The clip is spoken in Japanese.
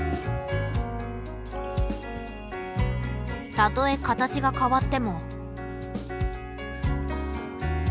たとえ形が変わっても。